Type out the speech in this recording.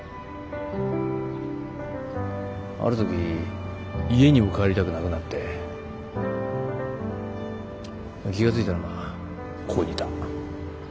ある時家にも帰りたくなくなって気が付いたらまあここにいた。